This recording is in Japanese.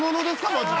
マジで。